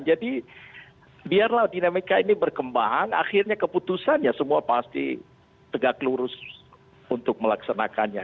jadi biarlah dinamika ini berkembang akhirnya keputusan ya semua pasti tegak lurus untuk melaksanakannya